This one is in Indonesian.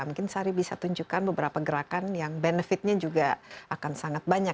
mungkin sari bisa tunjukkan beberapa gerakan yang benefitnya juga akan sangat banyak